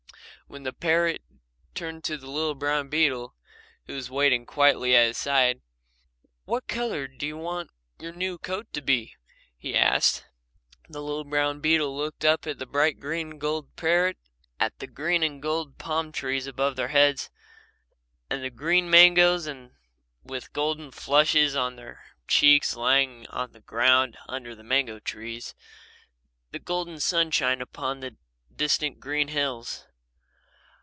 Then the parrot turned to the little brown beetle who was waiting quietly at his side. "What colour do you want your new coat to be?" he asked. The little brown beetle looked up at the bright green and gold parrot, at the green and gold palm trees above their heads, at the green mangoes with golden flushes on their cheeks lying on the ground under the mango trees, at the golden sunshine upon the distant green hills.